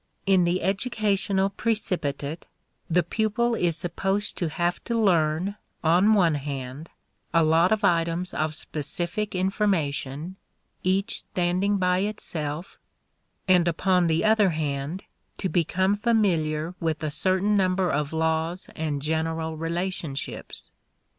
In the educational precipitate, the pupil is supposed to have to learn, on one hand, a lot of items of specific information, each standing by itself, and upon the other hand, to become familiar with a certain number of laws and general relationships.